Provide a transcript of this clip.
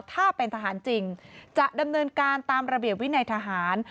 ถ้าเป็นทหารจริงจะดำเนินการตามระเบียบวินัยทหาร